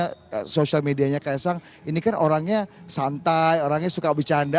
karena sosial medianya ks sang ini kan orangnya santai orangnya suka bercanda